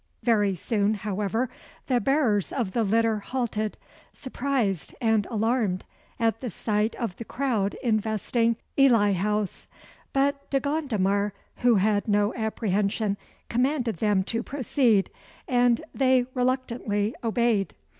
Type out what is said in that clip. Very soon, however, the bearers of the litter halted, surprised and alarmed at the sight of the crowd investing Ely House; but De Gondomar, who had no apprehension, commanded them to proceed, and they reluctantly obeyed.